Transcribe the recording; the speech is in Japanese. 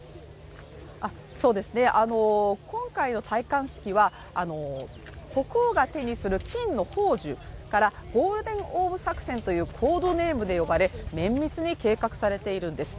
今回の戴冠式は国王が手にする金の宝珠ゴールデン・オーブ作戦というコードネームで呼ばれ綿密に計画が立てられているんです。